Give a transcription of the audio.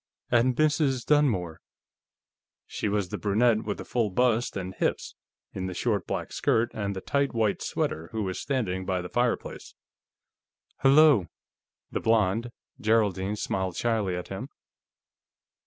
"And Mrs. Dunmore." She was the brunette with the full bust and hips, in the short black skirt and the tight white sweater, who was standing by the fireplace. "H'lo." The blonde Geraldine smiled shyly at him.